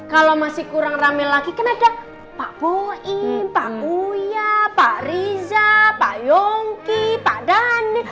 kalau masih kurang rame lagi kan ada pak boin pak uya pak riza pak yongki pak dane